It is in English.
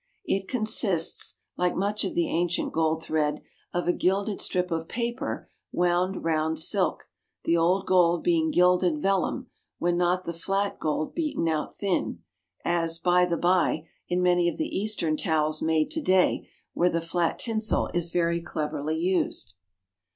It consists, like much of the ancient gold thread, of a gilded strip of paper wound round silk, the old gold being gilded vellum, when not the flat gold beaten out thin (as, by the bye, in many of the Eastern towels made to day where the flat tinsel is very cleverly used).